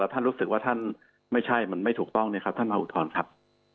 ท่านรู้สึกว่าท่านไม่ใช่มันไม่ถูกต้องเนี่ยครับท่านมาอุทธรณ์ครับ